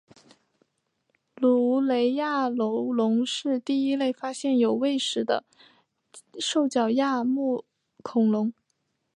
卢雷亚楼龙是第一类发现有胃石的兽脚亚目恐龙。